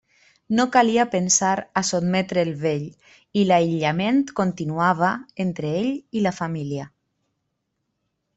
No calia pensar a sotmetre el vell, i l'aïllament continuava entre ell i la família.